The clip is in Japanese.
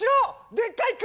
でっかい熊！